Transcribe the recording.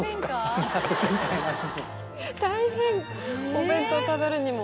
お弁当食べるにも。